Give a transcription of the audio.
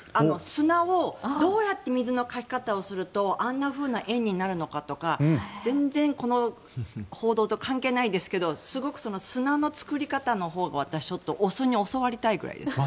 砂をどうやって水のかき方をするとあんなふうな円になるのかとか全然この報道と関係ないんですがすごく砂の作り方のほうを私はちょっと雄に教わりたいぐらいです。